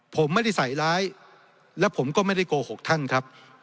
ผมไม่ได้ใส่ร้ายและผมก็ไม่ได้โกหกท่านครับ